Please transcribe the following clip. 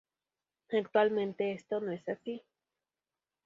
Actualmente esto no es así.